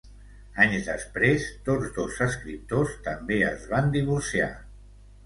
Anys després, tots dos escriptors també es van divorciar.